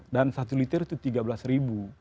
dan satu liter itu tiga belas ribu